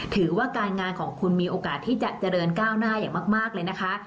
ถือว่าการงานของคุณมีโอกาสที่จะเจริญก้าวหน้าอย่างมากเลยนะคะ